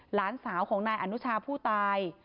หลานสาวของนายอนุชาผู้ตาย